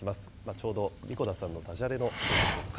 ちょうど神子田さんのだじゃれのシーンでしょうか。